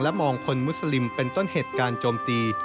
มองคนมุสลิมเป็นต้นเหตุการณ์โจมตี